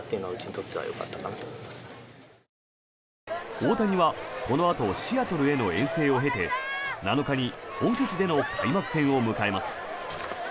大谷はこのあとシアトルへの遠征を経て７日に本拠地での開幕戦を迎えます。